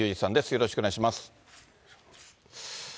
よろしくお願いします。